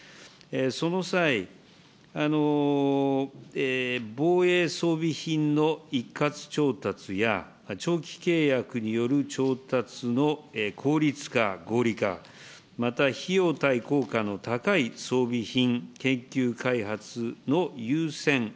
その際、防衛装備品の一括調達や、長期契約による調達の効率化、合理化、また、費用対効果の高い装備品、研究開発の優先。